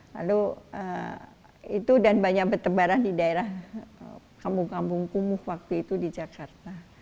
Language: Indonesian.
lalu itu dan banyak bertebaran di daerah kampung kampung kumuh waktu itu di jakarta